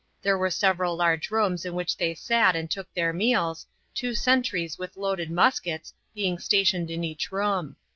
There were several large rooms in which they sat and took their meals, two sentries with loaded muskets being stationed in each room.